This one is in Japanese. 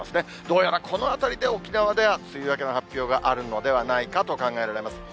どうやらこのあたりで、沖縄では梅雨明けの発表があるのではないかと考えられます。